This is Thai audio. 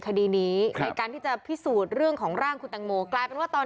คดีนี้ในการที่จะพิสูจน์เรื่องของร่างคุณตังโมกลายเป็นว่าตอน